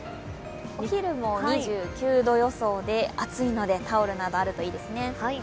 お昼も２９度予想で暑いので、タオルなどあるといいですね。